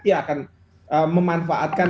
dia akan memanfaatkan